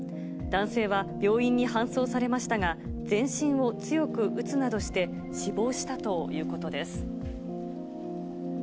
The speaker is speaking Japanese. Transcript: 男性は病院に搬送されましたが、全身を強く打つなどして、死亡したということです。